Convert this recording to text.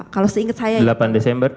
kalau seingat saya delapan desember